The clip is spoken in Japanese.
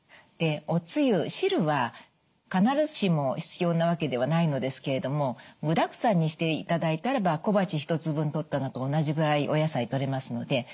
でおつゆ汁は必ずしも必要なわけではないのですけれども具だくさんにしていただいたらば小鉢１つ分とったのと同じぐらいお野菜とれますので。